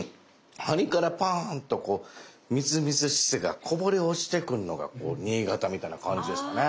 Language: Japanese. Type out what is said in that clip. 張りからパーンとみずみずしさがこぼれ落ちてくんのが新潟みたいな感じですかね。